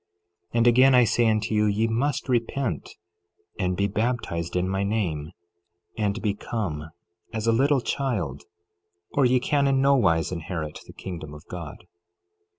11:38 And again I say unto you, ye must repent, and be baptized in my name, and become as a little child, or ye can in nowise inherit the kingdom of God.